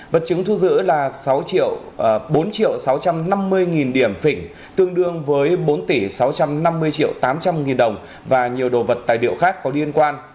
vật chứng thu giữ là bốn sáu trăm năm mươi điểm phỉnh tương đương với bốn sáu trăm năm mươi tám trăm linh đồng và nhiều đồ vật tài liệu khác có liên quan